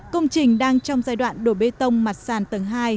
công trình đang trong giai đoạn đổ bê tông mặt sàn tầng hai